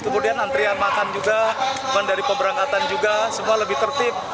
kemudian antrian makan juga dari pemberangkatan juga semua lebih tertib